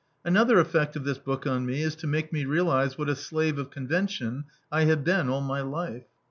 Another effect of this book on me is to make me realise what a slave of convention I have been all my life.